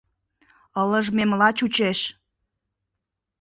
— Ылыжмемла чучеш.